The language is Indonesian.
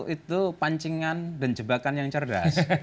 itu pancingan dan jebakan yang cerdas